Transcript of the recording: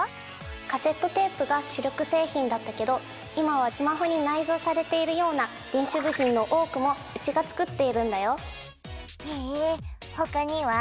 カセットテープが主力製品だったけど今はスマホに内蔵されているような電子部品の多くもうちが作っているんだよへえ他には？